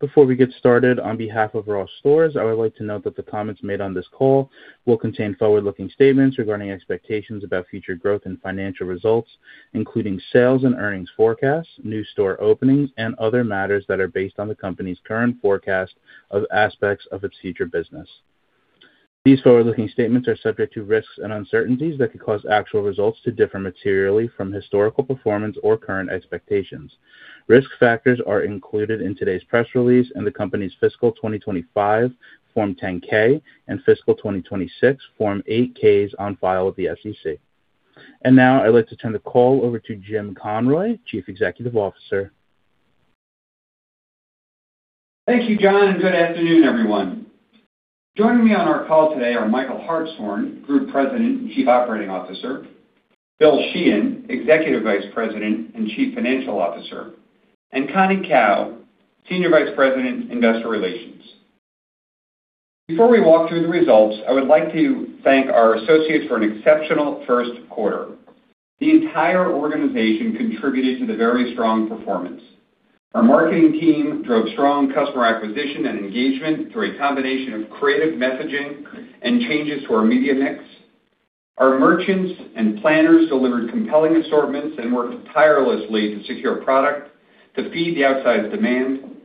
Before we get started, on behalf of Ross Stores, I would like to note that the comments made on this call will contain forward-looking statements regarding expectations about future growth and financial results, including sales and earnings forecasts, new store openings, and other matters that are based on the company's current forecast of aspects of its future business. These forward-looking statements are subject to risks and uncertainties that could cause actual results to differ materially from historical performance or current expectations. Risk factors are included in today's press release and the company's fiscal 2025 Form 10-K and fiscal 2026 Form 8-Ks on file with the SEC. Now I'd like to turn the call over to James Conroy, Chief Executive Officer. Thank you, John, and good afternoon, everyone. Joining me on our call today are Michael Hartshorn, Group President and Chief Operating Officer, William Sheehan, Executive Vice President and Chief Financial Officer, and Connie Kao, Senior Vice President, Investor Relations. Before we walk through the results, I would like to thank our associates for an exceptional first quarter. The entire organization contributed to the very strong performance. Our marketing team drove strong customer acquisition and engagement through a combination of creative messaging and changes to our media mix. Our merchants and planners delivered compelling assortments and worked tirelessly to secure product to feed the outsized demand.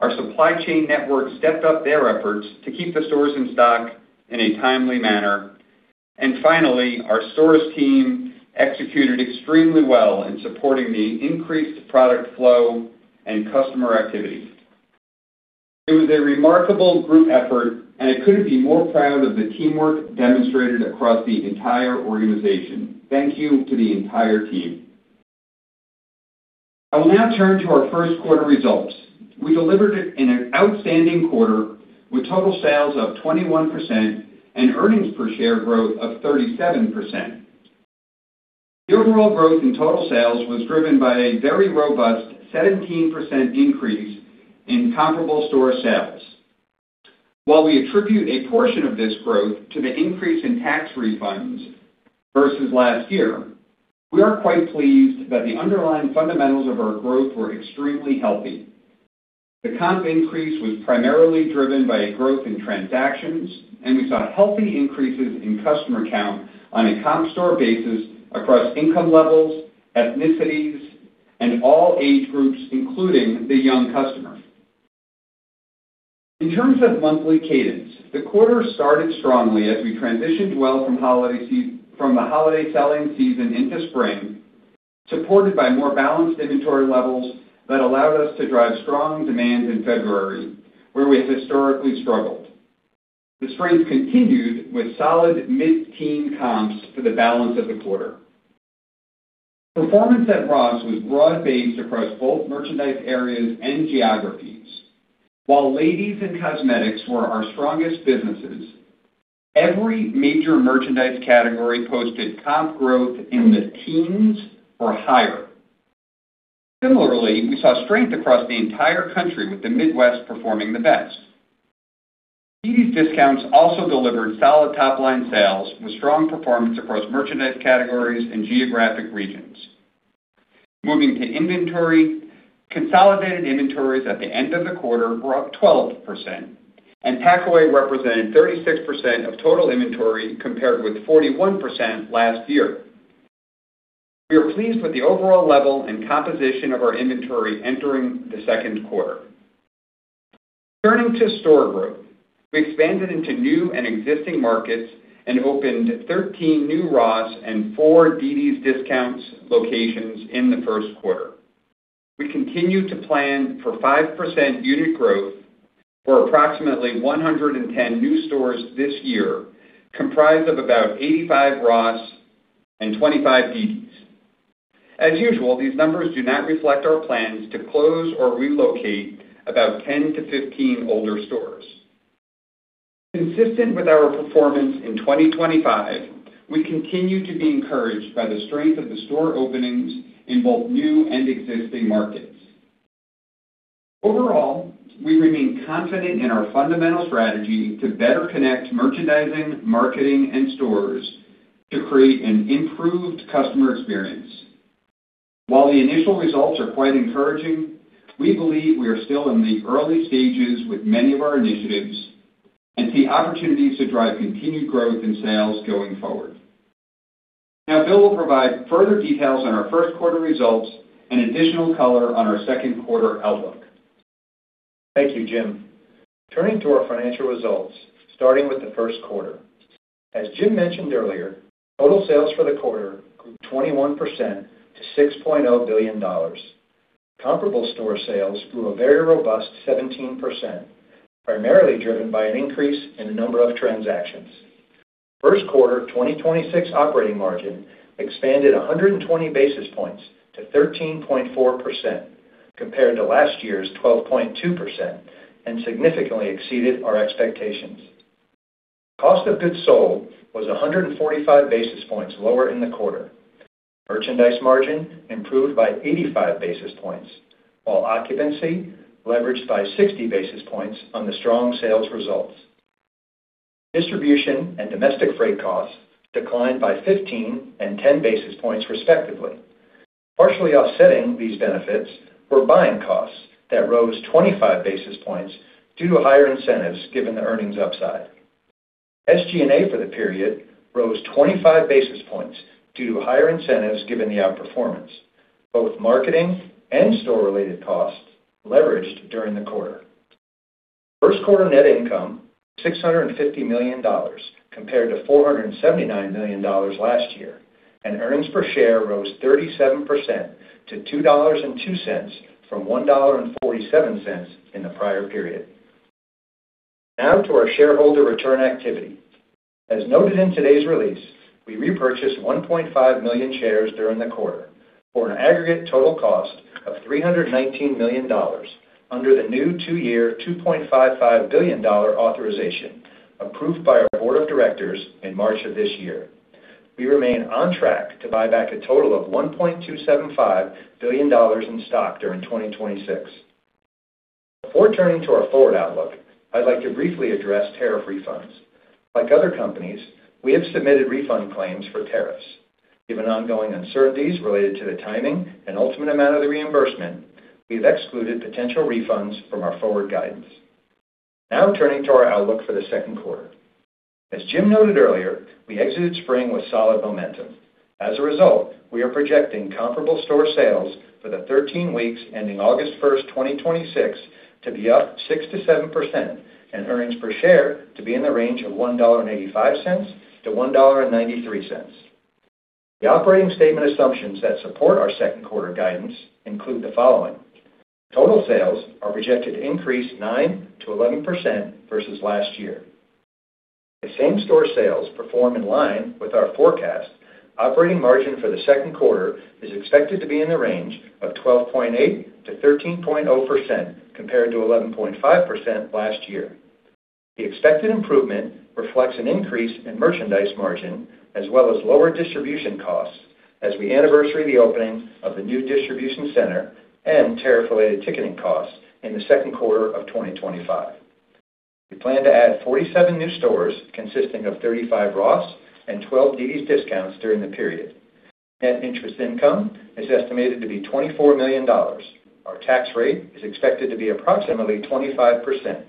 Our supply chain network stepped up their efforts to keep the stores in stock in a timely manner. Finally, our stores team executed extremely well in supporting the increased product flow and customer activity. It was a remarkable group effort, and I couldn't be more proud of the teamwork demonstrated across the entire organization. Thank you to the entire team. I will now turn to our first quarter results. We delivered an outstanding quarter with total sales up 21% and earnings per share growth of 37%. The overall growth in total sales was driven by a very robust 17% increase in comparable store sales. While we attribute a portion of this growth to the increase in tax refunds versus last year, we are quite pleased that the underlying fundamentals of our growth were extremely healthy. The comp increase was primarily driven by a growth in transactions, and we saw healthy increases in customer count on a comp store basis across income levels, ethnicities, and all age groups, including the young customers. In terms of monthly cadence, the quarter started strongly as we transitioned well from the holiday selling season into spring, supported by more balanced inventory levels that allowed us to drive strong demand in February, where we have historically struggled. The strength continued with solid mid-teen comps for the balance of the quarter. Performance at Ross was broad-based across both merchandise areas and geographies. While ladies and cosmetics were our strongest businesses, every major merchandise category posted comp growth in the teens or higher. Similarly, we saw strength across the entire country, with the Midwest performing the best. dd's DISCOUNTS also delivered solid top-line sales with strong performance across merchandise categories and geographic regions. Moving to inventory, consolidated inventories at the end of the quarter were up 12%, and packaway represented 36% of total inventory, compared with 41% last year. We are pleased with the overall level and composition of our inventory entering the second quarter. Turning to store growth, we expanded into new and existing markets and opened 13 new Ross and four dd's DISCOUNTS locations in the first quarter. We continue to plan for 5% unit growth for approximately 110 new stores this year, comprised of about 85 Ross and 25 dd's. As usual, these numbers do not reflect our plans to close or relocate about 10-15 older stores. Consistent with our performance in 2025, we continue to be encouraged by the strength of the store openings in both new and existing markets. Overall, we remain confident in our fundamental strategy to better connect merchandising, marketing, and stores to create an improved customer experience. While the initial results are quite encouraging, we believe we are still in the early stages with many of our initiatives and see opportunities to drive continued growth in sales going forward. Now, Bill will provide further details on our first quarter results and additional color on our second quarter outlook. Thank you, Jim. Turning to our financial results, starting with the first quarter. As Jim mentioned earlier, total sales for the quarter grew 21% to $6.0 billion. Comparable store sales grew a very robust 17%, primarily driven by an increase in the number of transactions. First quarter 2026 operating margin expanded 120 basis points to 13.4%, compared to last year's 12.2%, and significantly exceeded our expectations. Cost of goods sold was 145 basis points lower in the quarter. Merchandise margin improved by 85 basis points, while occupancy leveraged by 60 basis points on the strong sales results. Distribution and domestic freight costs declined by 15 and 10 basis points respectively. Partially offsetting these benefits were buying costs that rose 25 basis points due to higher incentives given the earnings upside. SG&A for the period rose 25 basis points due to higher incentives given the outperformance. Both marketing and store-related costs leveraged during the quarter. First quarter net income, $650 million compared to $479 million last year, and earnings per share rose 37% to $2.02 from $1.47 in the prior period. To our shareholder return activity. As noted in today's release, we repurchased 1.5 million shares during the quarter for an aggregate total cost of $319 million under the new two-year, $2.55 billion authorization approved by our board of directors in March of this year. We remain on track to buy back a total of $1.275 billion in stock during 2026. Before turning to our forward outlook, I'd like to briefly address tariff refunds. Like other companies, we have submitted refund claims for tariffs. Given ongoing uncertainties related to the timing and ultimate amount of the reimbursement, we have excluded potential refunds from our forward guidance. Turning to our outlook for the second quarter. As Jim noted earlier, we exited spring with solid momentum. As a result, we are projecting comparable store sales for the 13 weeks ending August 1st, 2026, to be up 6%-7%, and earnings per share to be in the range of $1.85-$1.93. The operating statement assumptions that support our second quarter guidance include the following. Total sales are projected to increase 9%-11% versus last year. If same store sales perform in line with our forecast, operating margin for the second quarter is expected to be in the range of 12.8%-13.0%, compared to 11.5% last year. The expected improvement reflects an increase in merchandise margin as well as lower distribution costs as we anniversary the opening of the new distribution center and tariff-related ticketing costs in the second quarter of 2025. We plan to add 47 new stores, consisting of 35 Ross and 12 dd's DISCOUNTS during the period. Net interest income is estimated to be $24 million. Our tax rate is expected to be approximately 25%,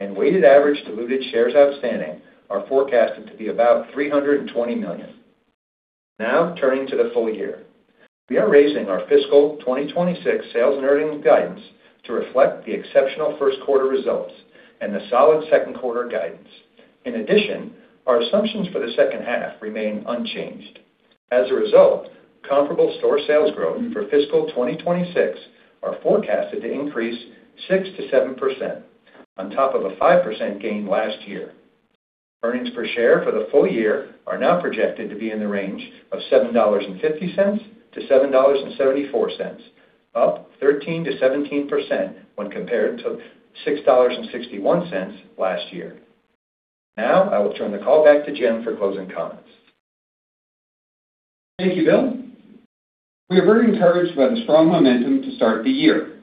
and weighted average diluted shares outstanding are forecasted to be about 320 million. Now turning to the full year. We are raising our fiscal 2026 sales and earnings guidance to reflect the exceptional first quarter results and the solid second quarter guidance. In addition, our assumptions for the second half remain unchanged. As a result, comparable store sales growth for fiscal 2026 are forecasted to increase 6%-7% on top of a 5% gain last year. Earnings per share for the full year are now projected to be in the range of $7.50-$7.74, up 13%-17% when compared to $6.61 last year. Now I will turn the call back to Jim for closing comments. Thank you, Bill. We are very encouraged by the strong momentum to start the year.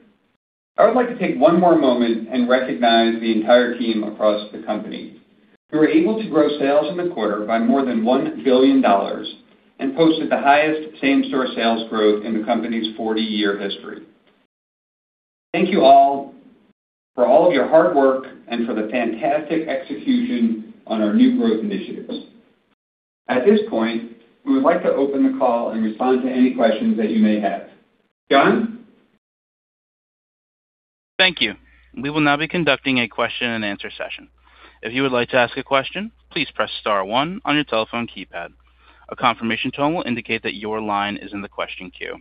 I would like to take one more moment and recognize the entire team across the company. We were able to grow sales in the quarter by more than $1 billion and posted the highest same store sales growth in the company's 40-year history. Thank you all for all of your hard work and for the fantastic execution on our new growth initiatives. At this point, we would like to open the call and respond to any questions that you may have. John? Thank you. We will now be conducting a Q&A session. If you would like to ask a question, please press star one on your telephone keypad. A confirmation tone will indicate that your line is in the question queue.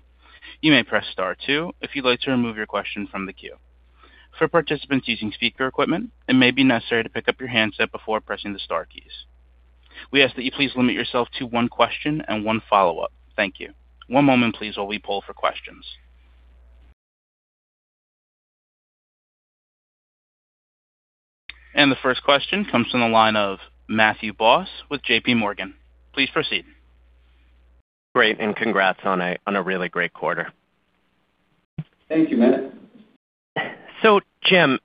You may press star two if you'd like to remove your question from the queue. For participants using speaker equipment, it may be necessary to pick up your handset before pressing the star keys. We ask that you please limit yourself to one question and one follow-up. Thank you. One moment, please, while we poll for questions. The first question comes from the line of Matthew Boss with JPMorgan. Please proceed. Great, congrats on a really great quarter. Thank you, Matt. Jim,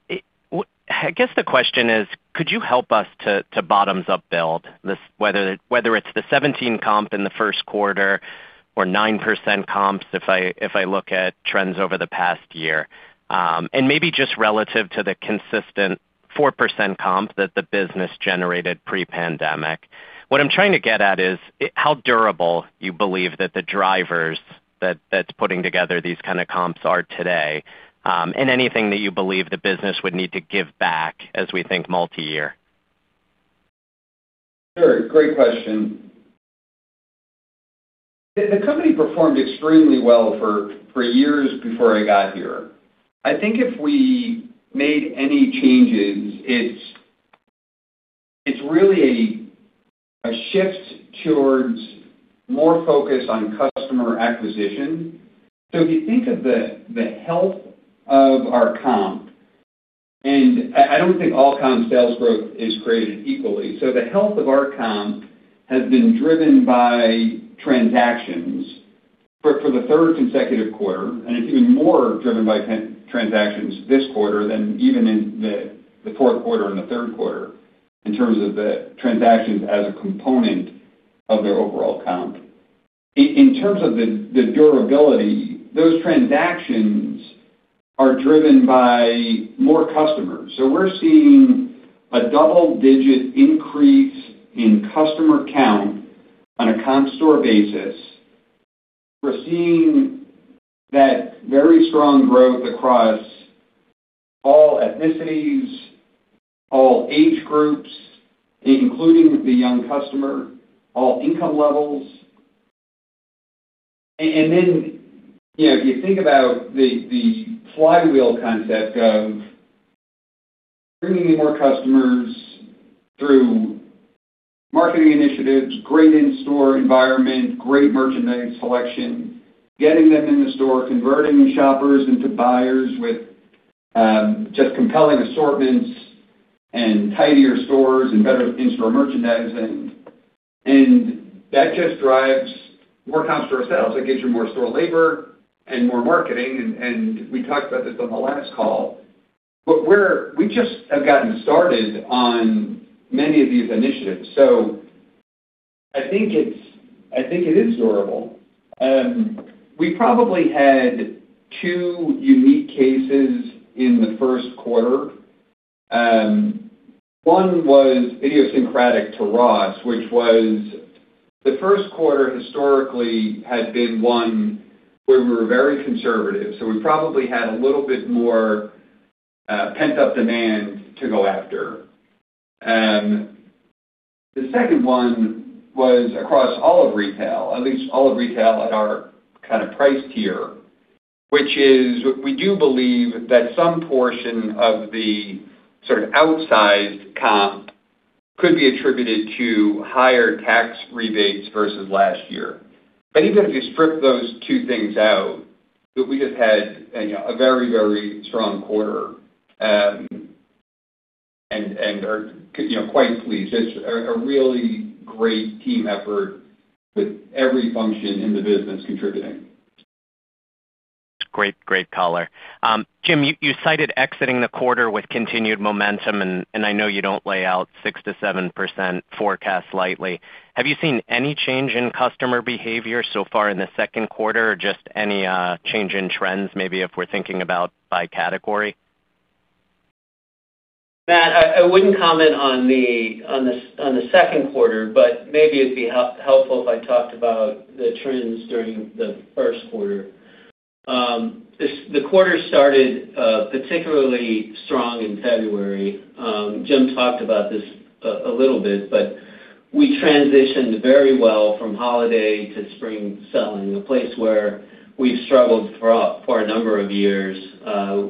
I guess the question is, could you help us to bottoms-up build this, whether it's the 17% comp in the first quarter or 9% comps if I look at trends over the past year, and maybe just relative to the consistent 4% comp that the business generated pre-pandemic. What I'm trying to get at is how durable you believe that the drivers that's putting together these kind of comps are today, and anything that you believe the business would need to give back as we think multi-year. Sure. Great question. The company performed extremely well for years before I got here. I think if we made any changes, it's really a shift towards more focus on customer acquisition. If you think of the health of our comp, and I don't think all comp sales growth is created equally. The health of our comp has been driven by transactions for the third consecutive quarter, and it's even more driven by transactions this quarter than even in the fourth quarter and the third quarter in terms of the transactions as a component of their overall comp. In terms of the durability, those transactions are driven by more customers. We're seeing a double-digit increase in customer count on a comp store basis. We're seeing that very strong growth across all ethnicities, all age groups, including the young customer, all income levels. If you think about the flywheel concept of bringing in more customers through marketing initiatives, great in-store environment, great merchandise selection, getting them in the store, converting shoppers into buyers with just compelling assortments and tidier stores and better in-store merchandising. That just drives more comp store sales. That gets you more store labor and more marketing, and we talked about this on the last call. We just have gotten started on many of these initiatives. I think it is durable. We probably had two unique cases in the first quarter. One was idiosyncratic to Ross, which was the first quarter historically had been one where we were very conservative, so we probably had a little bit more pent-up demand to go after. The second one was across all of retail, at least all of retail at our kind of price tier, which is we do believe that some portion of the sort of outsized comp could be attributed to higher tax rebates versus last year. Even if you strip those two things out, we just had a very strong quarter, and are quite pleased. It's a really great team effort with every function in the business contributing. Great color. Jim, you cited exiting the quarter with continued momentum, and I know you don't lay out 6%-7% forecast lightly. Have you seen any change in customer behavior so far in the second quarter, or just any change in trends, maybe if we're thinking about by category? Matt, I wouldn't comment on the second quarter, but maybe it'd be helpful if I talked about the trends during the first quarter. The quarter started particularly strong in February. Jim talked about this a little bit, but we transitioned very well from holiday to spring selling, a place where we've struggled for a number of years.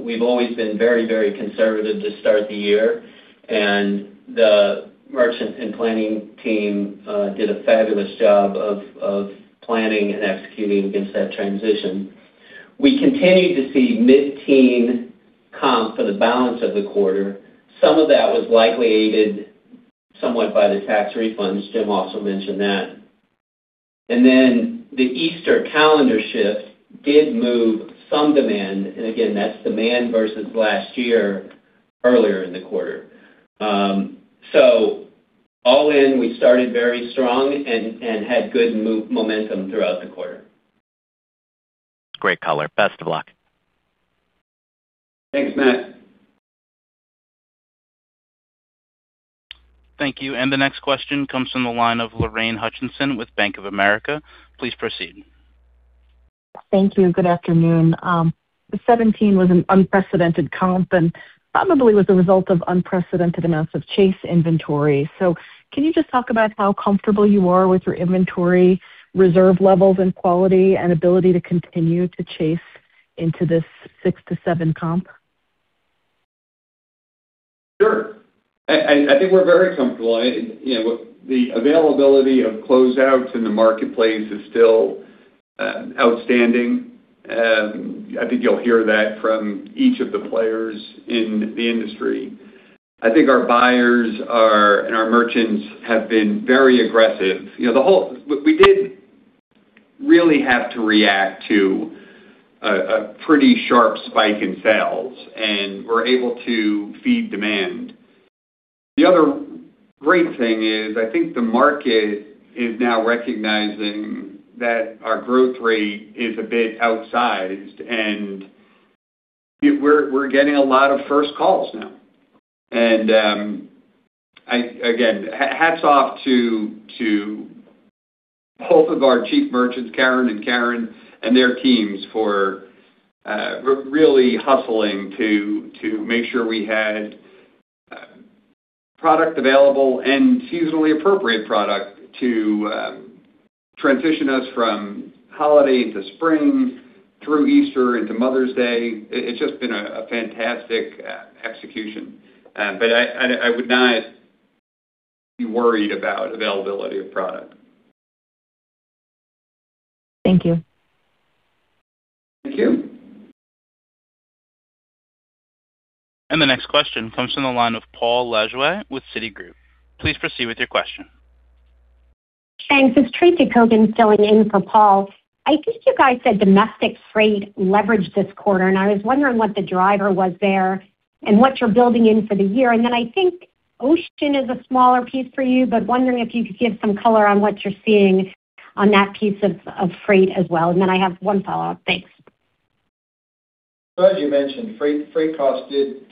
We've always been very conservative to start the year, and the merchant and planning team did a fabulous job of planning and executing against that transition. We continued to see mid-teen comp for the balance of the quarter. Some of that was likely aided somewhat by the tax refunds. Jim also mentioned that. The Easter calendar shift did move some demand, and again, that's demand versus last year, earlier in the quarter. All in, we started very strong and had good momentum throughout the quarter. Great color. Best of luck. Thanks, Matt. Thank you. The next question comes from the line of Lorraine Hutchinson with Bank of America. Please proceed. Thank you. Good afternoon. The 17 was an unprecedented comp and probably was a result of unprecedented amounts of chase inventory. Can you just talk about how comfortable you are with your inventory reserve levels and quality and ability to continue to chase into this 6%-7% comp? Sure. I think we're very comfortable. The availability of closeouts in the marketplace is still outstanding. I think you'll hear that from each of the players in the industry. I think our buyers and our merchants have been very aggressive. We did really have to react to a pretty sharp spike in sales, and we're able to feed demand. The other great thing is I think the market is now recognizing that our growth rate is a bit outsized, and we're getting a lot of first calls now. Again, hats off to both of our chief merchants, Karen and Karen, and their teams for really hustling to make sure we had product available and seasonally appropriate product to transition us from holiday to spring through Easter into Mother's Day. It's just been a fantastic execution. I would not be worried about availability of product. Thank you. Thank you. The next question comes from the line of Paul Lejuez with Citigroup. Please proceed with your question. Thanks. It's Tracy Kogan filling in for Paul. I think you guys said domestic freight leveraged this quarter, and I was wondering what the driver was there and what you're building in for the year. Then I think ocean is a smaller piece for you, but wondering if you could give some color on what you're seeing on that piece of freight as well, and then I have one follow-up. Thanks. As you mentioned, freight cost did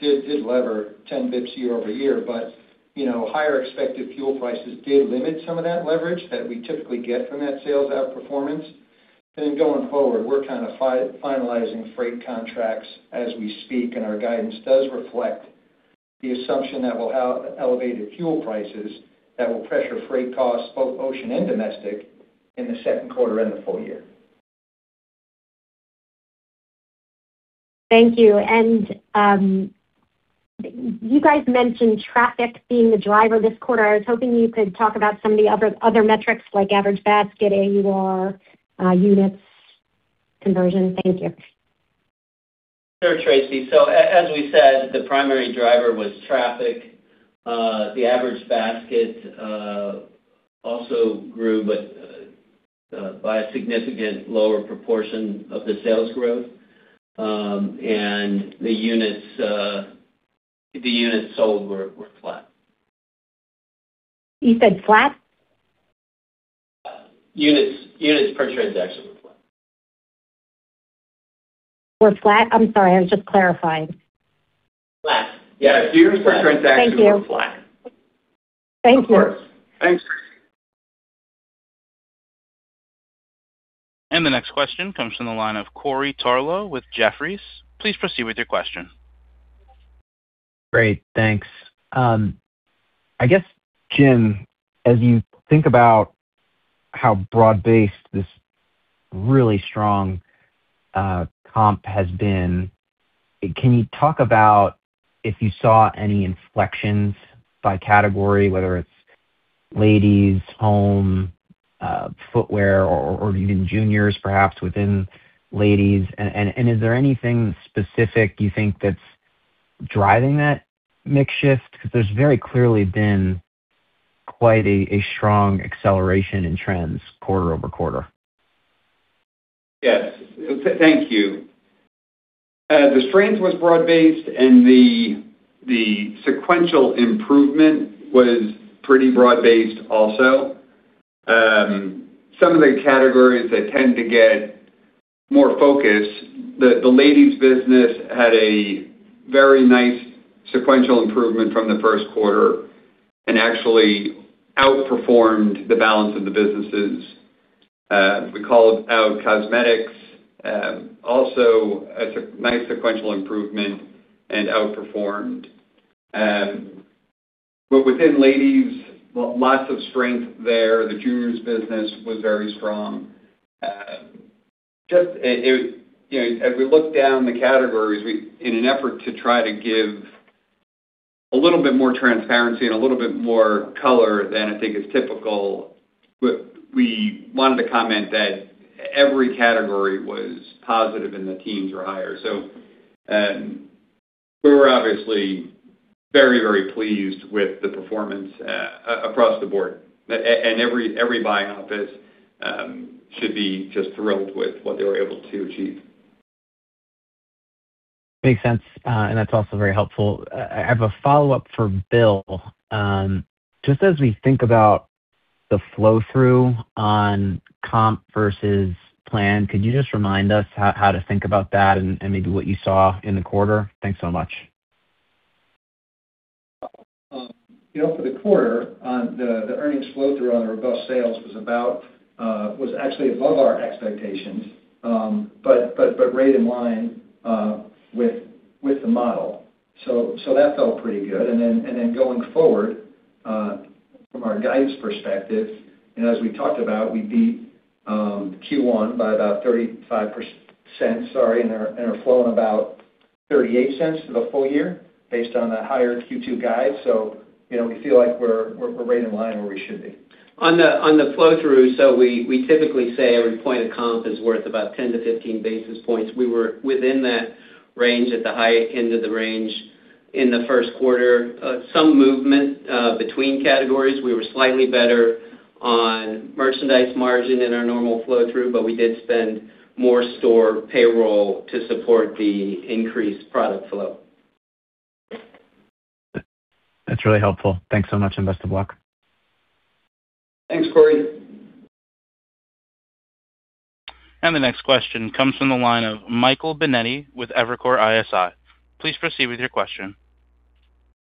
lever 10 bps year-over-year, but higher expected fuel prices did limit some of that leverage that we typically get from that sales outperformance. Going forward, we're finalizing freight contracts as we speak, and our guidance does reflect the assumption that we'll have elevated fuel prices that will pressure freight costs, both ocean and domestic, in the second quarter and the full year. Thank you. You guys mentioned traffic being the driver this quarter. I was hoping you could talk about some of the other metrics like average basket, AUR, units conversion. Thank you. Sure, Tracy. As we said, the primary driver was traffic. The average basket also grew but by a significantly lower proportion of the sales growth. The units sold were flat. You said flat? Units per transaction were flat. Were flat? I'm sorry, I was just clarifying. Flat. Yes. Units per transaction were flat. Thank you. Of course. Thanks. The next question comes from the line of Corey Tarlowe with Jefferies. Please proceed with your question. Great, thanks. I guess, James, as you think about how broad-based this really strong comp has been, can you talk about if you saw any inflections by category, whether it's ladies, home, footwear, or even juniors, perhaps within ladies? Is there anything specific you think that's driving that mix shift? Because there's very clearly been quite a strong acceleration in trends quarter over quarter? Yes. Thank you. The strength was broad based and the sequential improvement was pretty broad based also. Some of the categories that tend to get more focus, the ladies business had a very nice sequential improvement from the first quarter and actually outperformed the balance of the businesses. We called out cosmetics, also a nice sequential improvement and outperformed. Within ladies, lots of strength there. The juniors business was very strong. As we look down the categories, in an effort to try to give a little bit more transparency and a little bit more color than I think is typical, we wanted to comment that every category was positive and the teens or higher. We were obviously very, very pleased with the performance across the board. Every buying office should be just thrilled with what they were able to achieve. Makes sense, and that's also very helpful. I have a follow-up for Bill. Just as we think about the flow-through on comp versus plan, could you just remind us how to think about that and maybe what you saw in the quarter? Thanks so much. For the quarter, the earnings flow-through on the robust sales was actually above our expectations but right in line with the model. That felt pretty good. Going forward, from our guidance perspective, and as we talked about, we beat Q1 by about 35%, sorry, and are flowing about $0.38 for the full year based on the higher Q2 guide. We feel like we're right in line where we should be. On the flow-through, we typically say every point of comp is worth about 10-15 basis points. We were within that range at the high end of the range in the first quarter. Some movement between categories. We were slightly better on merchandise margin in our normal flow-through, but we did spend more store payroll to support the increased product flow. That's really helpful. Thanks so much, and best of luck. Thanks, Corey. The next question comes from the line of Michael Binetti with Evercore ISI. Please proceed with your question.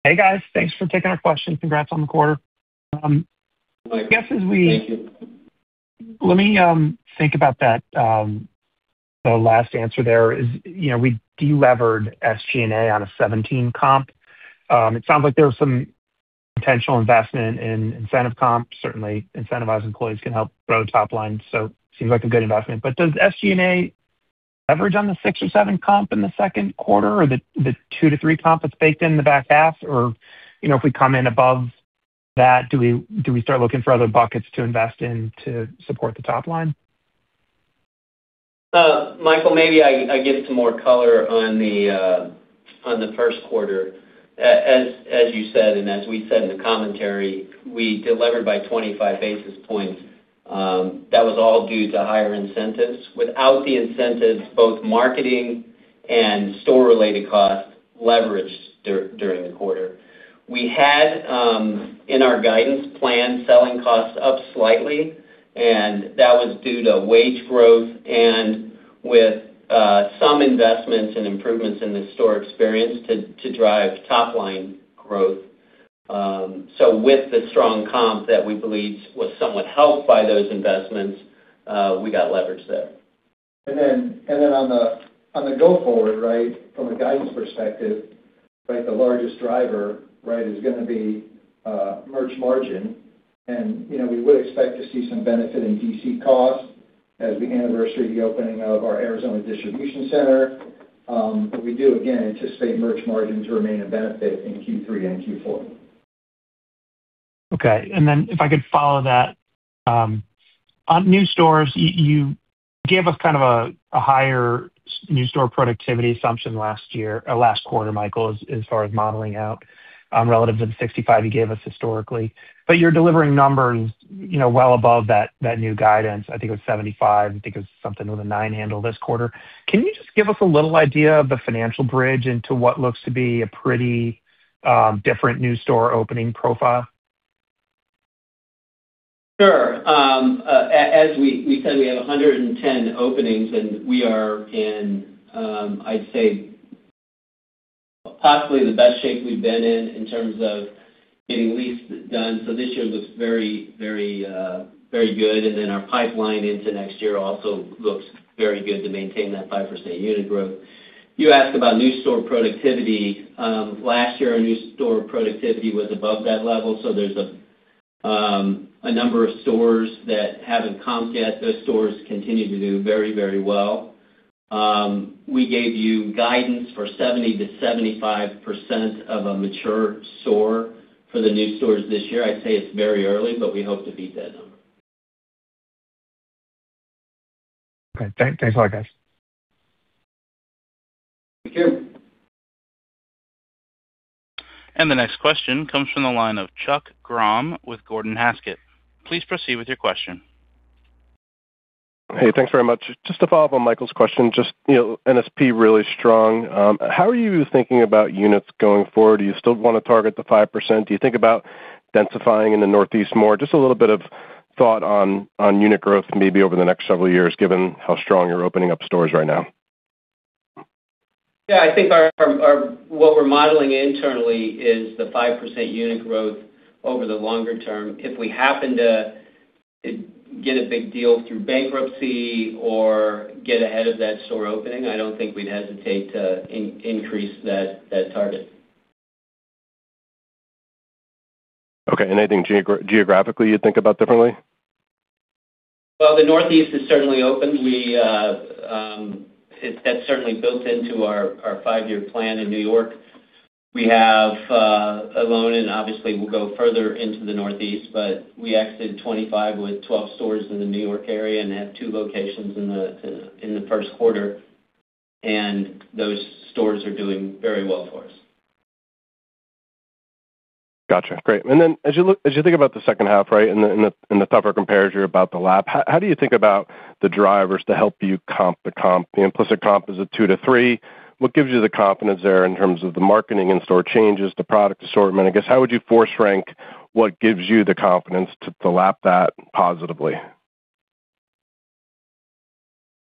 Hey, guys. Thanks for taking our questions. Congrats on the quarter. Thank you. Let me think about that last answer there is, we de-levered SG&A on a 17% comp. It sounds like there was some potential investment in incentive comp. Certainly, incentivizing employees can help grow the top line, so it seems like a good investment. Does SG&A leverage on the six or seven comp in the second quarter or the two to three comp that's baked in the back half? If we come in above that, do we start looking for other buckets to invest in to support the top line? Michael, maybe I give some more color on the first quarter. As you said, and as we said in the commentary, we delivered by 25 basis points. That was all due to higher incentives. Without the incentives, both marketing and store-related costs leveraged during the quarter. We had, in our guidance plan, selling costs up slightly, and that was due to wage growth and with some investments and improvements in the store experience to drive top-line growth. With the strong comp that we believe was somewhat helped by those investments, we got leverage there. On the go forward, from a guidance perspective, the largest driver is going to be merch margin. We would expect to see some benefit in DC costs as we anniversary the opening of our Arizona distribution center. We do, again, anticipate merch margin to remain a benefit in Q3 and Q4. Okay. If I could follow that. On new stores, you gave us kind of a higher new store productivity assumption last quarter, Michael, as far as modeling out relative to the 65 you gave us historically. You're delivering numbers well above that new guidance. I think it was 75. I think it was something with a nine handle this quarter. Can you just give us a little idea of the financial bridge into what looks to be a pretty different new store opening profile? Sure. As we said, we have 110 openings. We are in, I'd say, possibly the best shape we've been in terms of getting leases done. This year looks very good. Our pipeline into next year also looks very good to maintain that 5% unit growth. You asked about new store productivity. Last year, our new store productivity was above that level. There's a number of stores that haven't comped yet. Those stores continue to do very well. We gave you guidance for 70%-75% of a mature store for the new stores this year. I'd say it's very early. We hope to beat that number. Okay. Thanks a lot, guys. Thank you. The next question comes from the line of Chuck Grom with Gordon Haskett. Please proceed with your question. Hey, thanks very much. Just to follow up on Michael's question, just NSP really strong. How are you thinking about units going forward? Do you still want to target the 5%? Do you think about densifying in the Northeast more? Just a little bit of thought on unit growth, maybe over the next several years, given how strong you're opening up stores right now. Yeah, I think what we're modeling internally is the 5% unit growth over the longer term. If we happen to get a big deal through bankruptcy or get ahead of that store opening, I don't think we'd hesitate to increase that target. Okay. Anything geographically you'd think about differently? Well, the Northeast is certainly open. That's certainly built into our five-year plan in New York. We have a plan, and obviously, we'll go further into the Northeast, but we exited 2025 with 12 stores in the New York area and have two locations in the first quarter. Those stores are doing very well for us. Got you. Great. As you think about the second half, and the tougher compares you're about to lap, how do you think about the drivers to help you comp the comp? The implicit comp is at 2%-3%. What gives you the confidence there in terms of the marketing and store changes, the product assortment? I guess, how would you force rank what gives you the confidence to lap that positively?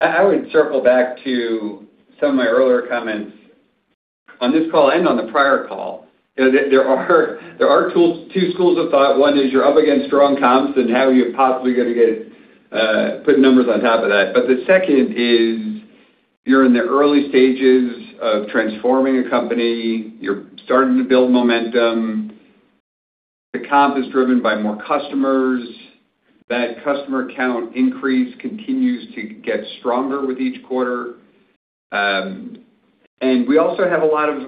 I wold circle back to some of my earlier comments on this call and on the prior call. There are two schools of thought. One is you're up against strong comps and how you're possibly going to put numbers on top of that. The second is you're in the early stages of transforming a company. You're starting to build momentum. The comp is driven by more customers. That customer count increase continues to get stronger with each quarter. We also have a lot of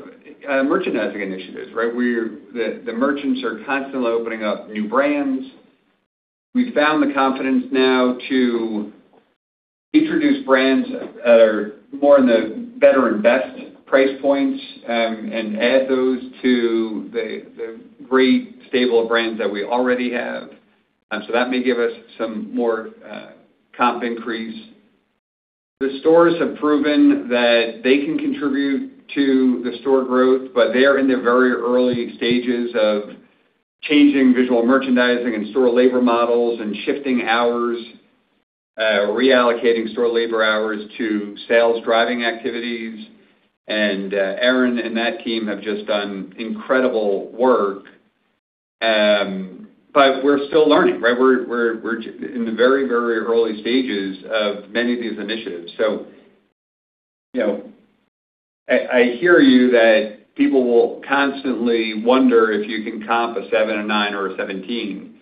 merchandising initiatives. The merchants are constantly opening up new brands. We found the confidence now to introduce brands that are more in the better and best price points and add those to the great stable of brands that we already have. That may give us some more comp increase. The stores have proven that they can contribute to the store growth, but they are in the very early stages of changing visual merchandising and store labor models and shifting hours, reallocating store labor hours to sales-driving activities. Aaron and that team have just done incredible work. We're still learning. We're in the very early stages of many of these initiatives. I hear you that people will constantly wonder if you can comp a seven, a nine, or a 17.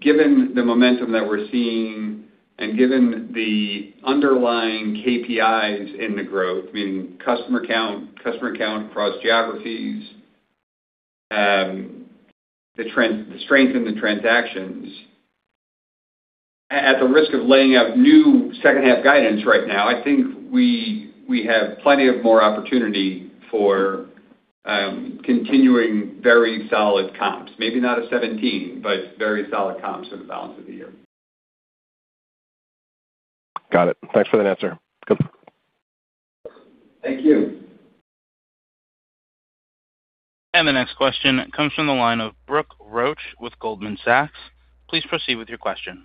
Given the momentum that we're seeing and given the underlying KPIs in the growth, meaning customer count across geographies The strength in the transactions, at the risk of laying out new second half guidance right now, I think we have plenty of more opportunity for continuing very solid comps. Maybe not a 17, but very solid comps for the balance of the year. Got it. Thanks for that answer. Good. Thank you. The next question comes from the line of Brooke Roach with Goldman Sachs. Please proceed with your question.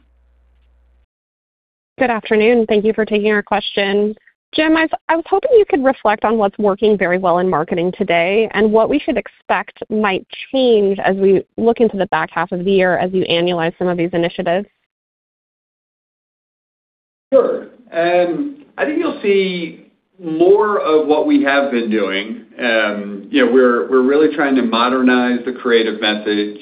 Good afternoon. Thank you for taking our question. Jim, I was hoping you could reflect on what's working very well in marketing today and what we should expect might change as we look into the back half of the year as you annualize some of these initiatives. Sure. I think you'll see more of what we have been doing. We're really trying to modernize the creative message.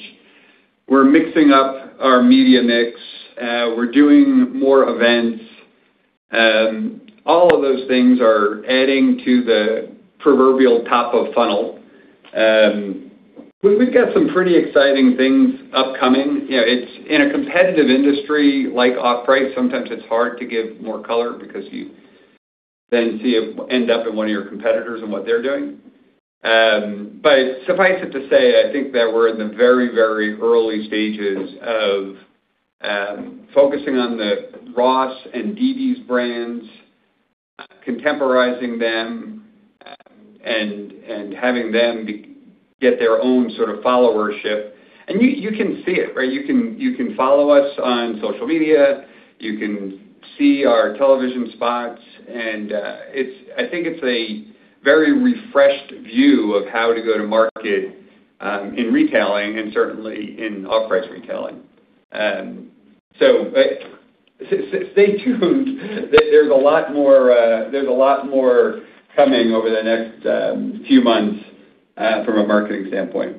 We're mixing up our media mix. We're doing more events. All of those things are adding to the proverbial top of funnel. We've got some pretty exciting things upcoming. In a competitive industry like off-price, sometimes it's hard to give more color because you then see it end up in one of your competitors and what they're doing. Suffice it to say, I think that we're in the very early stages of focusing on the Ross and DD's brands, contemporizing them, and having them get their own sort of followership. You can see it, right? You can follow us on social media. You can see our television spots, and I think it's a very refreshed view of how to go to market in retailing and certainly in off-price retailing. Stay tuned. There's a lot more coming over the next few months from a marketing standpoint.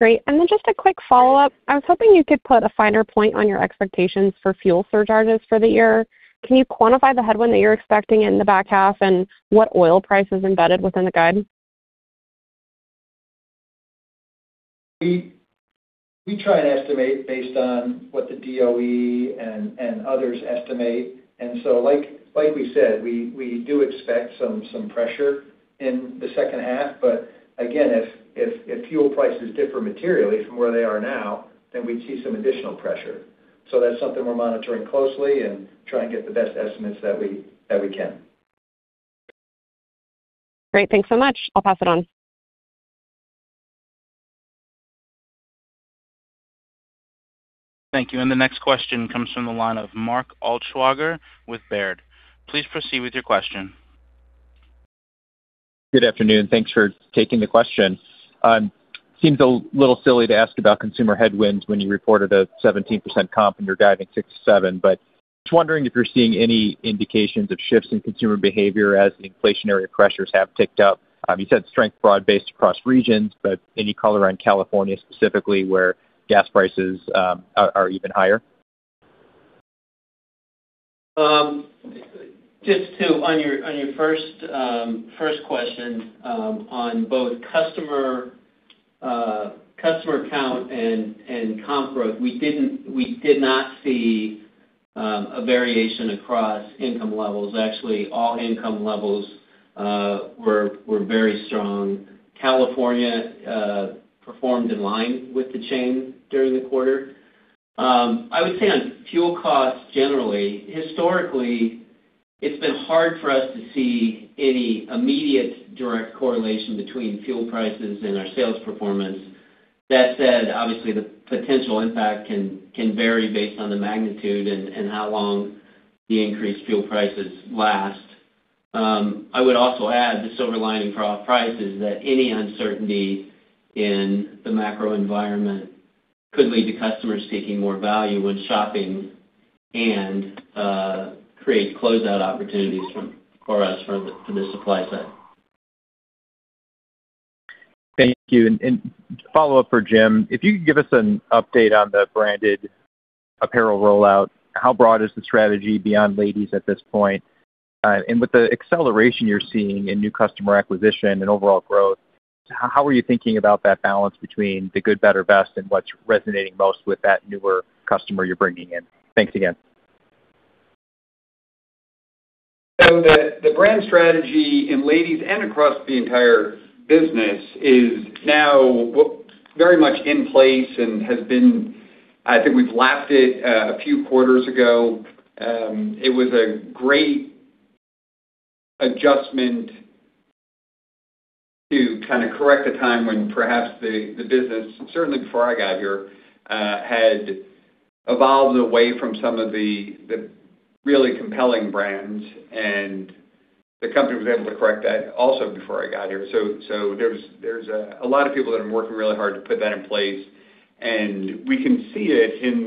Great. Just a quick follow-up. I was hoping you could put a finer point on your expectations for fuel surcharges for the year. Can you quantify the headwind that you're expecting in the back half, and what oil price is embedded within the guide? We try and estimate based on what the DOE and others estimate. Like we said, we do expect some pressure in the second half. Again, if fuel prices differ materially from where they are now, then we'd see some additional pressure. That's something we're monitoring closely and try and get the best estimates that we can. Great. Thanks so much. I'll pass it on. Thank you. The next question comes from the line of Mark Altschwager with Baird. Please proceed with your question. Good afternoon, thanks for taking the question. Seems a little silly to ask about consumer headwinds when you reported a 17% comp and you're guiding 6%-7%, but just wondering if you're seeing any indications of shifts in consumer behavior as the inflationary pressures have ticked up. You said strength broad-based across regions, but any color on California specifically, where gas prices are even higher? Just to, on your first question, on both customer count and comp growth, we did not see a variation across income levels. Actually, all income levels were very strong. California performed in line with the chain during the quarter. I would say on fuel costs, generally, historically, it's been hard for us to see any immediate direct correlation between fuel prices and our sales performance. That said, obviously the potential impact can vary based on the magnitude and how long the increased fuel prices last. I would also add the silver lining for off price is that any uncertainty in the macro environment could lead to customers seeking more value when shopping and create closeout opportunities for us from the supply side. Thank you. Follow-up for Jim, if you could give us an update on the branded apparel rollout. How broad is the strategy beyond ladies at this point? With the acceleration you're seeing in new customer acquisition and overall growth, how are you thinking about that balance between the good, better, best, and what's resonating most with that newer customer you're bringing in? Thanks again. The brand strategy in ladies and across the entire business is now very much in place and I think we've lapped it a few quarters ago. It was a great adjustment to kind of correct a time when perhaps the business, certainly before I got here, had evolved away from some of the really compelling brands, and the company was able to correct that also before I got here. There's a lot of people that are working really hard to put that in place, and we can see it in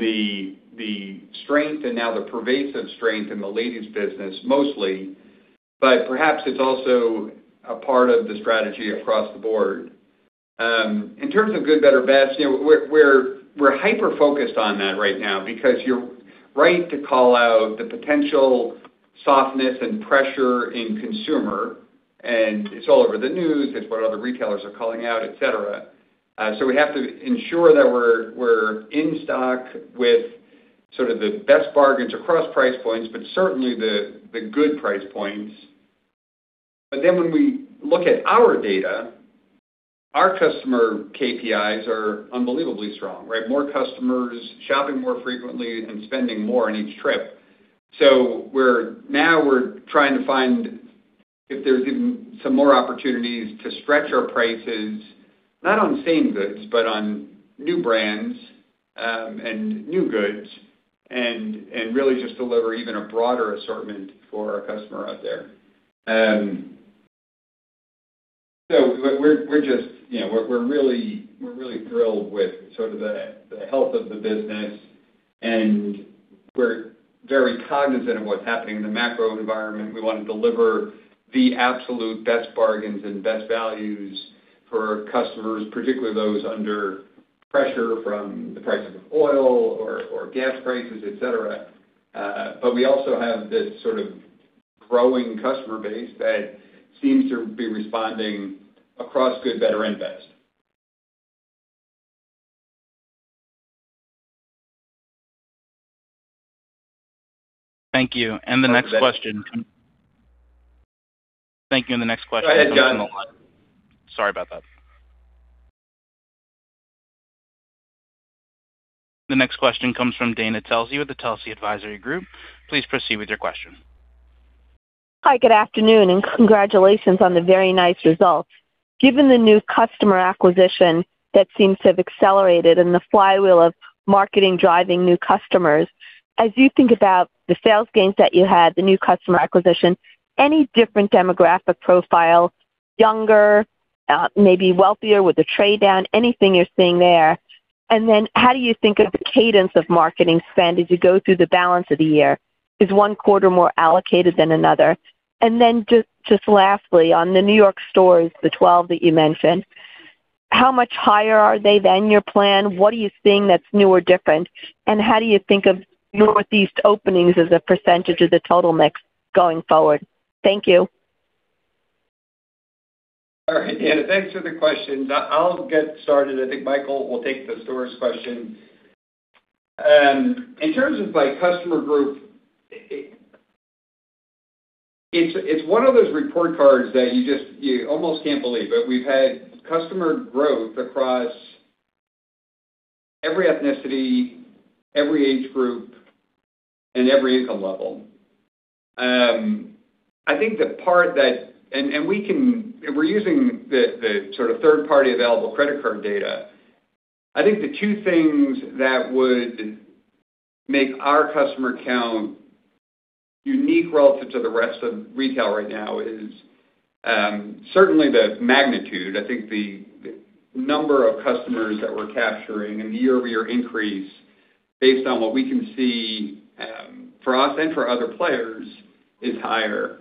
the strength and now the pervasive strength in the ladies business mostly. Perhaps it's also a part of the strategy across the board. In terms of good better bets, we're hyper-focused on that right now because you're right to call out the potential softness and pressure in consumer, and it's all over the news. That's what other retailers are calling out, et cetera. We have to ensure that we're in stock with sort of the best bargains across price points, but certainly the good price points. When we look at our data, our customer KPIs are unbelievably strong, right? More customers shopping more frequently and spending more on each trip. Now we're trying to find if there's even some more opportunities to stretch our prices, not on same goods, but on new brands, and new goods, and really just deliver even a broader assortment for our customer out there. We're really thrilled with sort of the health of the business, and we're very cognizant of what's happening in the macro environment. We want to deliver the absolute best bargains and best values for our customers, particularly those under pressure from the prices of oil or gas prices, et cetera. We also have this sort of growing customer base that seems to be responding across good, better, and best. Thank you. The next question. Go ahead, John. Sorry about that. The next question comes from Dana Telsey with the Telsey Advisory Group. Please proceed with your question. Hi, good afternoon, and congratulations on the very nice results. Given the new customer acquisition that seems to have accelerated and the flywheel of marketing driving new customers, as you think about the sales gains that you had, the new customer acquisition, any different demographic profile, younger, maybe wealthier with a trade down, anything you're seeing there? How do you think of the cadence of marketing spend as you go through the balance of the year? Is one quarter more allocated than another? Just lastly, on the New York stores the 12 that you mentioned, how much higher are they than your plan? What are you seeing that's new or different, and how do you think of Northeast openings as a percent of the total mix going forward? Thank you. All right, Dana, thanks for the questions. I'll get started. I think Michael will take the stores question. In terms of by customer group, it's one of those report cards that you almost can't believe. We've had customer growth across every ethnicity, every age group, and every income level. We're using the sort of third-party available credit card data. I think the two things that would make our customer count unique relative to the rest of retail right now is, certainly the magnitude. I think the number of customers that we're capturing and the year-over-year increase based on what we can see, for us and for other players, is higher.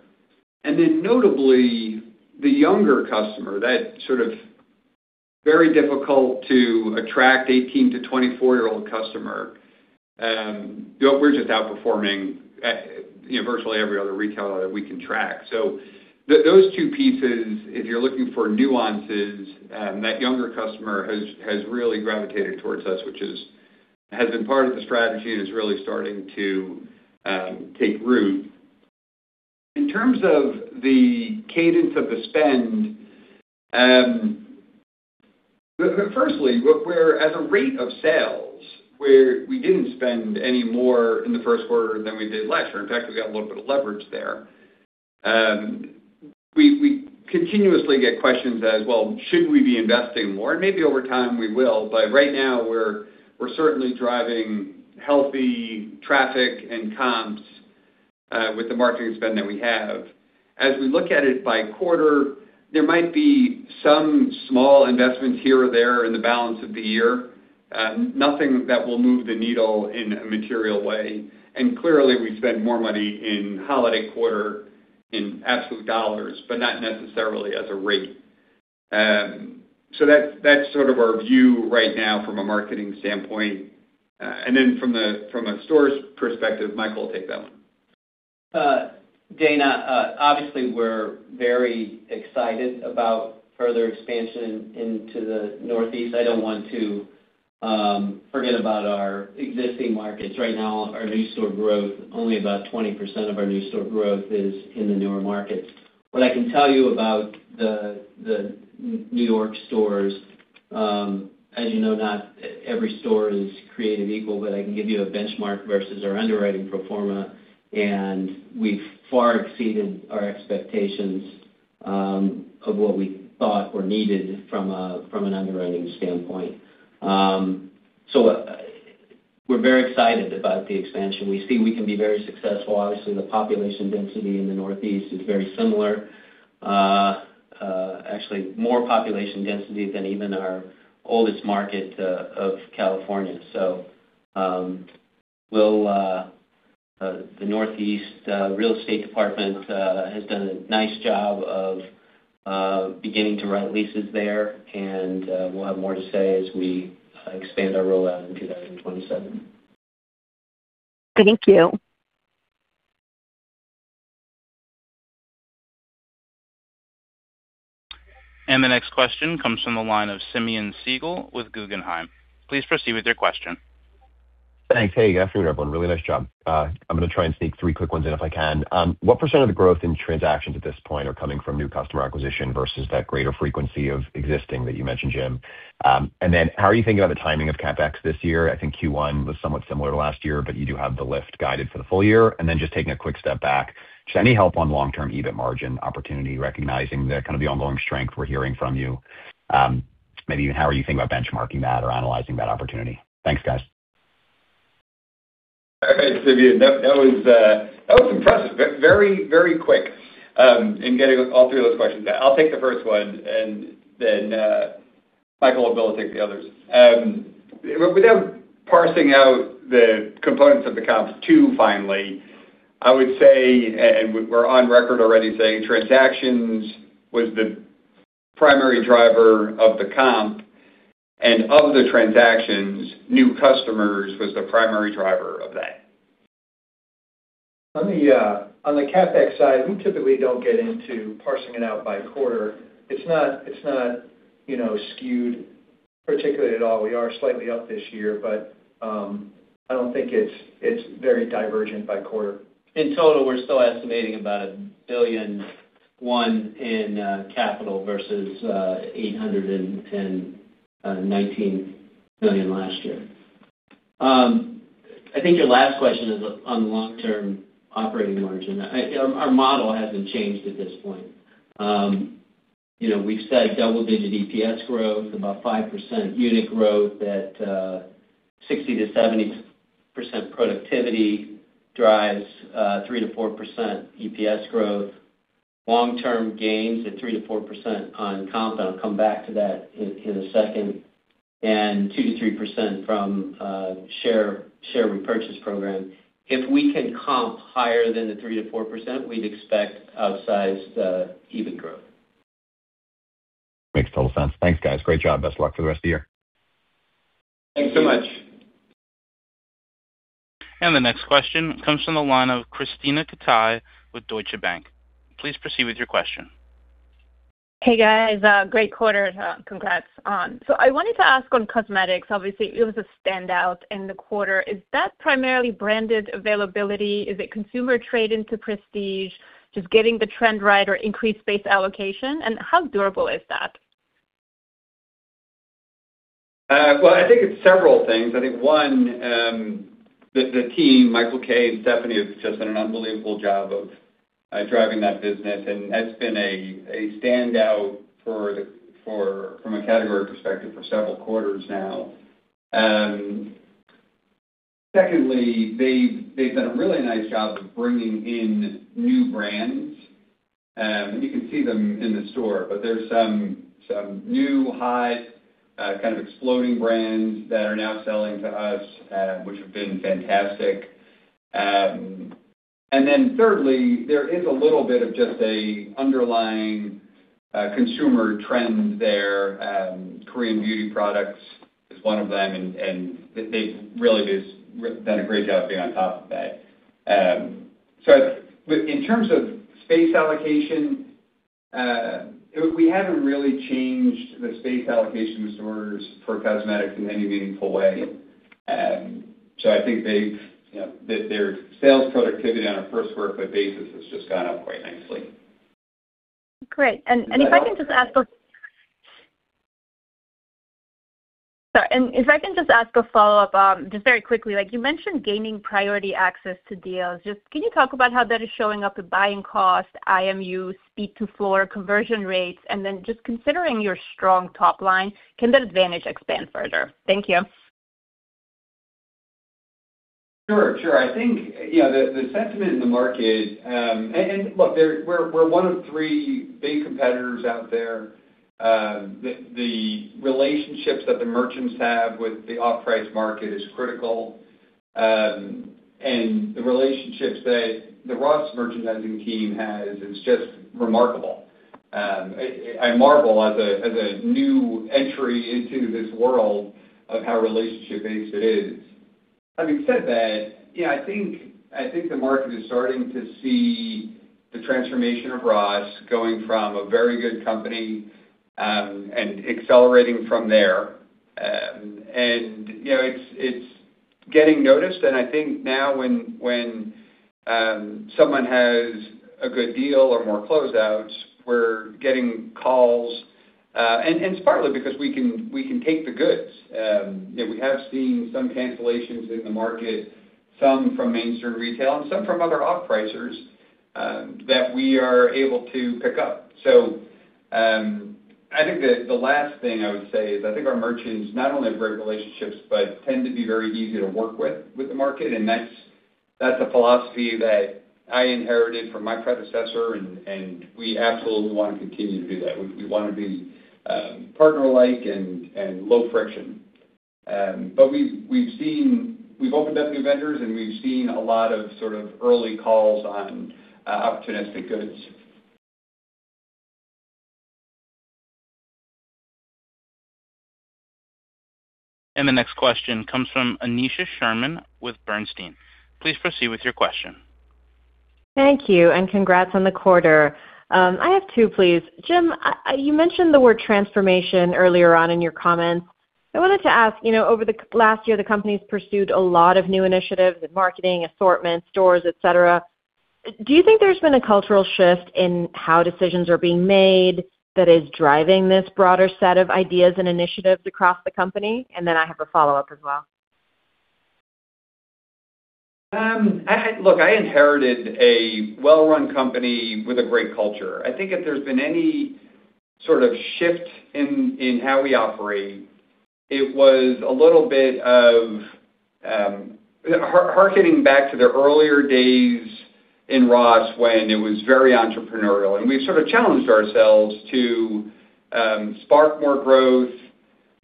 Notably, the younger customer, that sort of very difficult to attract 18 to 24-year-old customer, we're just outperforming virtually every other retailer that we can track. Those two pieces, if you're looking for nuances, that younger customer has really gravitated towards us, which has been part of the strategy and is really starting to take root. In terms of the cadence of the spend, firstly, as a rate of sales, we didn't spend any more in the first quarter than we did last year. In fact, we got a little bit of leverage there. We continuously get questions as well, should we be investing more? Maybe over time we will, but right now we're certainly driving healthy traffic and comps, with the marketing spend that we have. As we look at it by quarter, there might be some small investments here or there in the balance of the year. Nothing that will move the needle in a material way. Clearly, we spend more money in holiday quarter in absolute dollars, but not necessarily as a rate. That's sort of our view right now from a marketing standpoint. Then from a stores perspective, Michael will take that one. Dana, obviously we're very excited about further expansion into the Northeast. I don't want to forget about our existing markets. Right now, our new store growth, only about 20% of our new store growth is in the newer markets. What I can tell you about the New York stores, as you know, not every store is created equal, but I can give you a benchmark versus our underwriting pro forma, and we've far exceeded our expectations, of what we thought were needed from an underwriting standpoint. We're very excited about the expansion. We see we can be very successful. Obviously, the population density in the Northeast is very similar. Actually more population density than even our oldest market of California. The Northeast real estate department has done a nice job of beginning to rent leases there, and we'll have more to say as we expand our rollout in 2027. Thank you. The next question comes from the line of Simeon Siegel with Guggenheim. Please proceed with your question. Thanks. Hey, good afternoon, everyone. Really nice job. I'm going to try and sneak three quick ones in if I can. What percent of the growth in transactions at this point are coming from new customer acquisition versus that greater frequency of existing that you mentioned, Jim? How are you thinking about the timing of CapEx this year? I think Q1 was somewhat similar to last year, but you do have the lift guided for the full year. Just taking a quick step back, just any help on long-term EBIT margin opportunity, recognizing the kind of the ongoing strength we're hearing from you? Maybe how are you thinking about benchmarking that or analyzing that opportunity? Thanks, guys. All right, Simeon. That was impressive, very quick in getting all three of those questions out. I'll take the first one and then Michael or Bill will take the others. Without parsing out the components of the comps too finely, I would say, we're on record already saying transactions was the primary driver of the comp, and of the transactions, new customers was the primary driver of that. On the CapEx side, we typically don't get into parsing it out by quarter. It's not skewed particularly at all. We are slightly up this year, but I don't think it's very divergent by quarter. In total, we're still estimating about $1.1 billion in capital versus $819 million last year. I think your last question is on long-term operating margin. Our model hasn't changed at this point. We've said double-digit EPS growth, about 5% unit growth, that 60%-70% productivity drives 3%-4% EPS growth. Long-term gains at 3%-4% on comp, and I'll come back to that in a second, and 2%-3% from share repurchase program. If we can comp higher than the 3%-4%, we'd expect outsized EBIT growth. Makes total sense. Thanks, guys. Great job. Best of luck for the rest of the year. Thanks so much. The next question comes from the line of Krisztina Katai with Deutsche Bank. Please proceed with your question. Hey, guys. Great quarter. Congrats. I wanted to ask on cosmetics, obviously, it was a standout in the quarter. Is that primarily branded availability? Is it consumer trade into prestige, just getting the trend right or increased base allocation? How durable is that? Well, I think it's several things. I think, one, the team, Michael Kay and Stephanie, have just done an unbelievable job of driving that business, and has been a standout from a category perspective for several quarters now. Secondly, they've done a really nice job of bringing in new brands. You can see them in the store, but there's some new, hot, kind of exploding brands that are now selling to us, which have been fantastic. Then thirdly, there is a little bit of just an underlying consumer trend there. Korean beauty products is one of them, and they really just have done a great job being on top of that. In terms of space allocation, we haven't really changed the space allocation with stores for cosmetics in any meaningful way. I think their sales productivity on a per sq ft basis has just gone up quite nicely. Great. Sorry, if I can just ask a follow-up, just very quickly. You mentioned gaining priority access to deals. Can you talk about how that is showing up with buying cost, IMU, speed to floor conversion rates? Then just considering your strong top line, can that advantage expand further? Thank you. Sure. I think the sentiment in the market-- look, we're one of three big competitors out there. The relationships that the merchants have with the off-price market is critical. The relationships that the Ross merchandising team has is just remarkable. I marvel as a new entry into this world of how relationship-based it is. Having said that, I think the market is starting to see the transformation of Ross going from a very good company, and accelerating from there, and it's getting noticed. I think now when someone has a good deal or more closeouts, we're getting calls. It's partly because we can take the goods. We have seen some cancellations in the market, some from mainstream retail and some from other off-pricers, that we are able to pick up. I think the last thing I would say is I think our merchants not only have great relationships, but tend to be very easy to work with the market. That's a philosophy that I inherited from my predecessor, and we absolutely want to continue to do that. We want to be partner-like and low friction. We've opened up new vendors, and we've seen a lot of early calls on opportunistic goods. The next question comes from Aneesha Sherman with Bernstein. Please proceed with your question. Thank you. Congrats on the quarter. I have two, please. Jim, you mentioned the word transformation earlier on in your comments. I wanted to ask, over the last year, the company's pursued a lot of new initiatives with marketing, assortments, stores, et cetera. Do you think there's been a cultural shift in how decisions are being made that is driving this broader set of ideas and initiatives across the company? I have a follow-up as well. Look, I inherited a well-run company with a great culture. I think if there's been any sort of shift in how we operate, it was a little bit of hearkening back to the earlier days in Ross when it was very entrepreneurial. We've sort of challenged ourselves to spark more growth,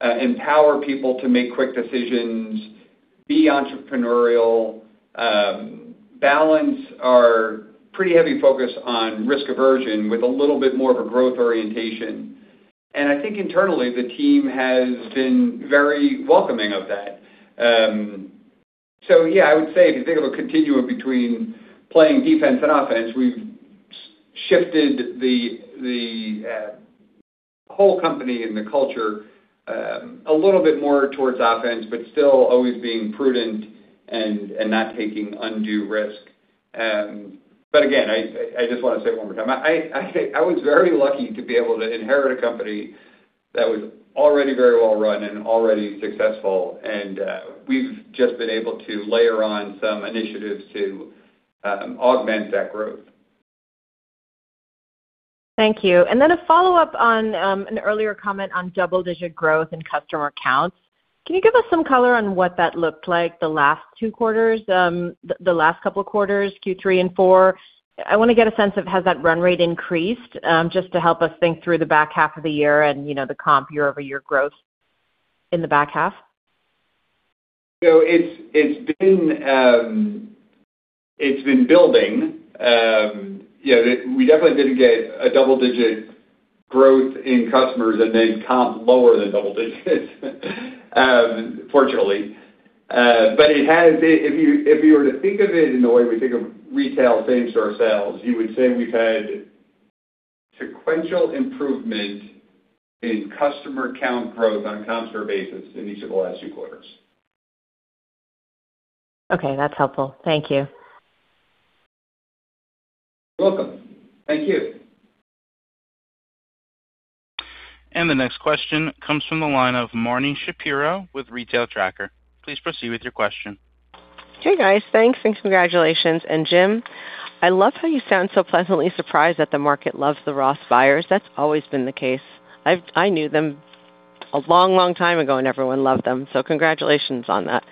empower people to make quick decisions, be entrepreneurial, balance our pretty heavy focus on risk aversion with a little bit more of a growth orientation. I think internally, the team has been very welcoming of that. Yeah, I would say if you think of a continuum between playing defense and offense, we've shifted the whole company and the culture a little bit more towards offense, but still always being prudent and not taking undue risk. Again, I just want to say one more time, I was very lucky to be able to inherit a company that was already very well run and already successful. We've just been able to layer on some initiatives to augment that growth. Thank you. Then a follow-up on an earlier comment on double-digit growth in customer counts. Can you give us some color on what that looked like the last two quarters, the last couple of quarters, Q3 and four? I want to get a sense of, has that run rate increased, just to help us think through the back half of the year and the comp year-over-year growth in the back half? It's been building. We definitely didn't get a double-digit growth in customers and then comp lower than double digits fortunately. If you were to think of it in the way we think of retail same-store sales, you would say we've had sequential improvement in customer count growth on a constant basis in each of the last two quarters. Okay, that's helpful. Thank you. You're welcome. Thank you. The next question comes from the line of Marni Shapiro with Retail Tracker. Please proceed with your question. Hey, guys. Thanks, congratulations. Jim, I love how you sound so pleasantly surprised that the market loves the Ross buyers. That's always been the case. I knew them a long time ago, and everyone loved them, so congratulations on that.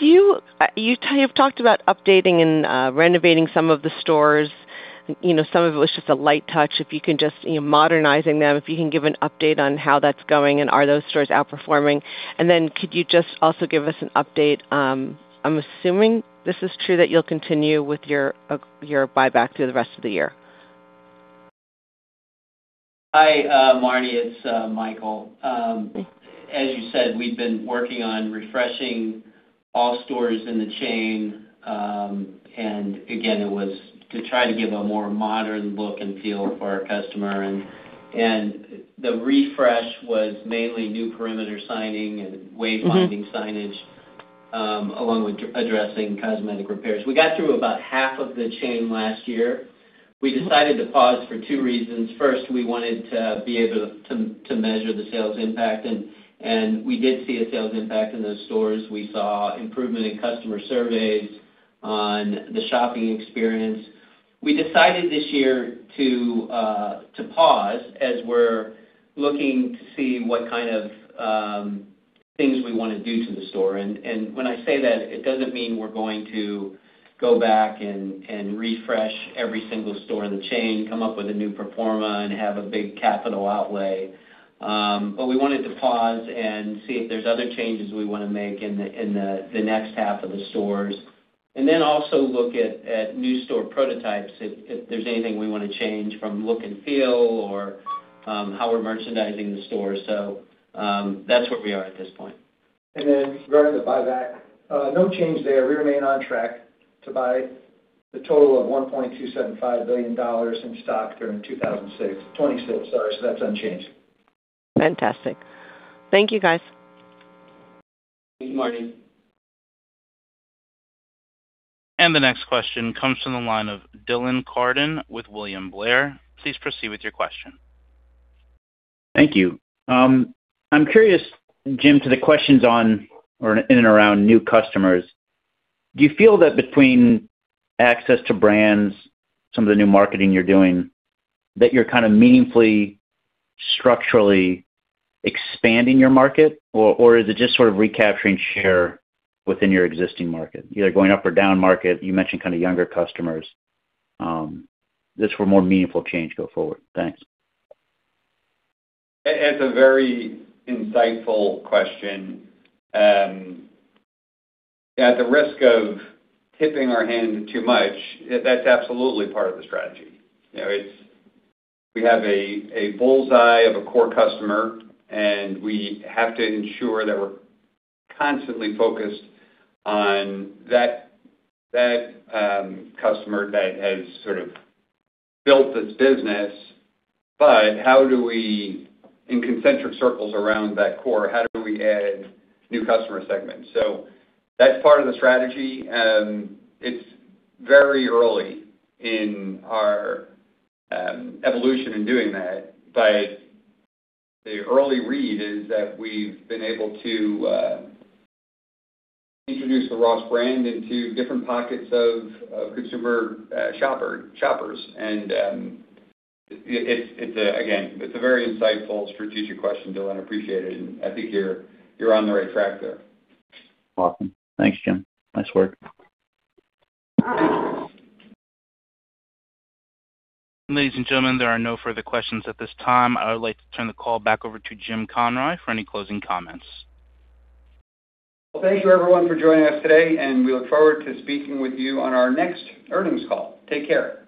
You have talked about updating and renovating some of the stores. Some of it was just a light touch. Modernizing them, if you can give an update on how that's going, and are those stores outperforming? Could you just also give us an update, I'm assuming this is true, that you'll continue with your buyback through the rest of the year. Hi, Marni. It's Michael. As you said, we've been working on refreshing all stores in the chain. Again, it was to try to give a more modern look and feel for our customer. The refresh was mainly new perimeter signing and wayfinding signage, along with addressing cosmetic repairs. We got through about half of the chain last year. We decided to pause for two reasons. First, we wanted to be able to measure the sales impact, and we did see a sales impact in those stores. We saw improvement in customer surveys on the shopping experience. We decided this year to pause as we're looking to see what kind of things we want to do to the store. When I say that, it doesn't mean we're going to go back and refresh every single store in the chain, come up with a new proforma and have a big capital outlay. We wanted to pause and see if there's other changes we want to make in the next half of the stores. Then also look at new store prototypes, if there's anything we want to change from look and feel or how we're merchandising the store. That's where we are at this point. Regarding the buyback, no change there. We remain on track to buy the total of $1.275 billion in stock during 2006. 2026, sorry. That's unchanged. Fantastic. Thank you, guys. Thanks, Marni. The next question comes from the line of Dylan Carden with William Blair. Please proceed with your question. Thank you. I'm curious, Jim, to the questions on or in and around new customers. Do you feel that between access to brands, some of the new marketing you're doing, that you're kind of meaningfully, structurally expanding your market, or is it just sort of recapturing share within your existing market, either going up or down market? You mentioned kind of younger customers. Just for more meaningful change go forward. Thanks. It's a very insightful question. At the risk of tipping our hand too much, that's absolutely part of the strategy. We have a bull's eye of a core customer, we have to ensure that we're constantly focused on that customer that has sort of built this business. How do we, in concentric circles around that core, how do we add new customer segments? That's part of the strategy. It's very early in our evolution in doing that. The early read is that we've been able to introduce the Ross brand into different pockets of consumer shoppers. Again, it's a very insightful strategic question, Dylan, I appreciate it, I think you're on the right track there. Awesome. Thanks, Jim. Nice work. Ladies and gentlemen, there are no further questions at this time. I would like to turn the call back over to James Conroy for any closing comments. Well, thank you everyone for joining us today, and we look forward to speaking with you on our next earnings call. Take care.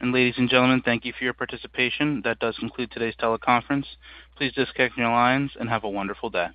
Ladies and gentlemen, thank you for your participation. That does conclude today's teleconference. Please disconnect your lines and have a wonderful day.